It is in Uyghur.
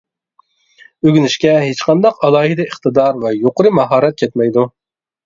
ئۆگىنىشكە ھېچقانداق ئالاھىدە ئىقتىدار ۋە يۇقىرى ماھارەت كەتمەيدۇ.